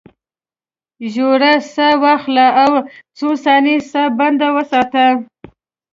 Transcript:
ژوره ساه واخله او څو ثانیې ساه بنده وساته.